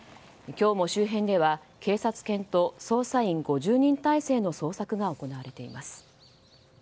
今日も周辺では警察犬と捜査員５０人態勢の捜索が行われています。